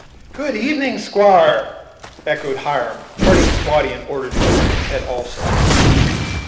"Good evening, squire," echoed Hiram, turning his body in order to turn his head also.